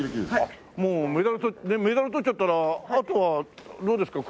もうメダル取っちゃったらあとはどうですか？